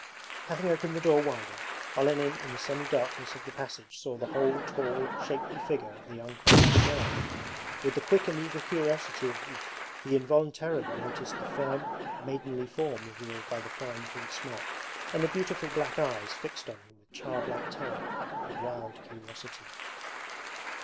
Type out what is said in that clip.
Having opened the door wider, Olenin in the semi darkness of the passage saw the whole tall, shapely figure of the young Cossack girl. With the quick and eager curiosity of youth he involuntarily noticed the firm maidenly form revealed by the fine print smock, and the beautiful black eyes fixed on him with childlike terror and wild curiosity.